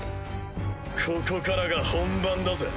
ここからが本番だぜ。